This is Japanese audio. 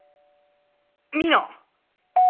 ミノ。